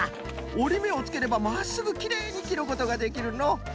おりめをつければまっすぐきれいにきることができるのう。